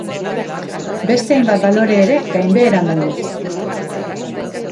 Beste hainbat balore ere gainbeheran daude.